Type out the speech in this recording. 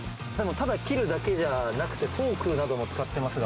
ただ切るだけじゃなくて、フォークなども使ってますが。